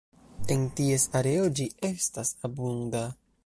En ties areo ĝi estas abunda.